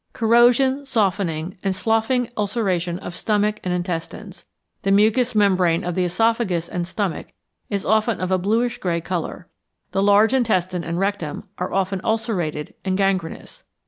_ Corrosion, softening, and sloughing ulceration of stomach and intestines. The mucous membrane of the oesophagus and stomach is often of a bluish grey colour. The large intestine and rectum are often ulcerated and gangrenous.